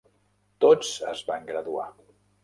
Tots es van graduar.